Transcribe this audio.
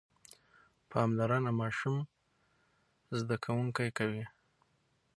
پاملرنه ماشوم زده کوونکی کوي.